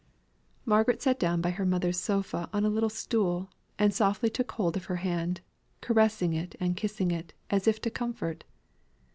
Margaret sat down by her mother's sofa on a little stool, and softly took hold of her hand, caressing it and kissing it, as if to comfort.